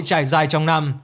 trải dài trong năm